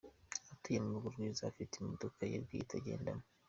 Atuye mu rugo rwiza, afite imodoka ye bwite agendamo.